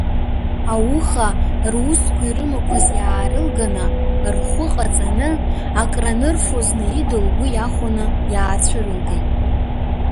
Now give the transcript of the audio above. Ауха, русқәа ирымақәаз иаарылганы, рхәы ҟаҵаны акранырфоз Наида лгәы иахәаны, иаацәырылгеит…